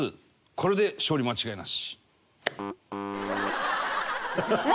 これで勝利間違いなし。